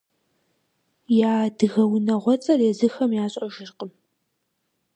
Я адыгэ унагъуэцӀэр езыхэм ящӀэжыркъым.